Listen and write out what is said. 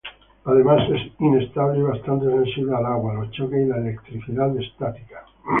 Además, es inestable y bastante sensible al agua, los choques y al electricidad estática.